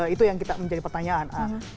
itu yang kita menjadi pertanyaan